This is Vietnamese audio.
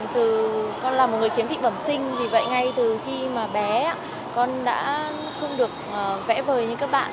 từ con là một người khiếm thị bẩm sinh vì vậy ngay từ khi mà bé con đã không được vẽ vời như các bạn